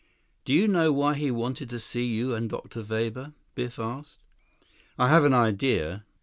Do you know why he wanted to see you and Dr. Weber?" Biff asked. "I have an idea.